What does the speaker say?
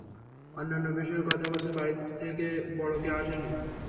অন্যান্য বিষয়ে কথা বলতে বাড়ি থেকে বড় কেউ আসেনি?